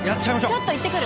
ちょっと行ってくる。